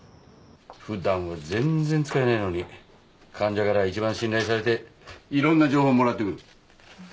普段は全然使えないのに患者から一番信頼されていろんな情報もらってくる。